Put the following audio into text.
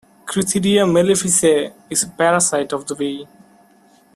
"Crithidia mellificae", is a parasite of the bee.